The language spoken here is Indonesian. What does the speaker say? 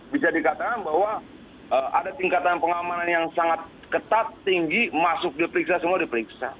bisa dikatakan bahwa ada tingkatan pengamanan yang sangat ketat tinggi masuk diperiksa semua diperiksa